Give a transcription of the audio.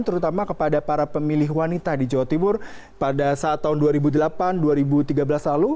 terutama kepada para pemilih wanita di jawa timur pada saat tahun dua ribu delapan dua ribu tiga belas lalu